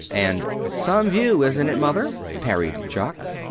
And, "Some view, isn't it, Mother?" parried Jock.